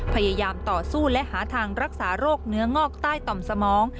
พยายามต่อสู้และหาทางรักษาโรคเนื้องอกใต้ต่อมสมอง